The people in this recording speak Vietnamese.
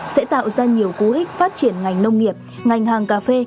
sẽ tạo ra nhiều cú hích phát triển ngành nông nghiệp ngành hàng cà phê